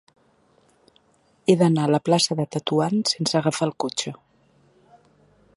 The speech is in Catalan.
He d'anar a la plaça de Tetuan sense agafar el cotxe.